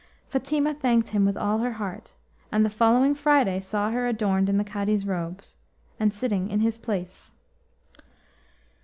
Fatima thanked him with all her heart, and the following Friday saw her adorned in the Cadi's robes, and sitting in his place.